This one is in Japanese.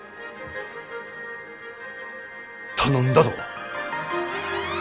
頼んだど。